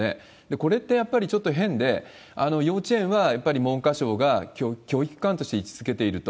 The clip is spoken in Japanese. これって、やっぱりちょっと変で、幼稚園はやっぱり文科省が教育機関として位置づけていると。